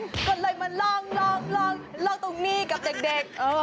ก็เลยมาร้องร้องร้องร้องตรงนี้กับเด็ก